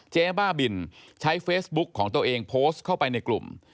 เจ๊บ้าบินใช้เฟซบุ๊กของตัวเองโพสต์เข้าไปในกลุ่ม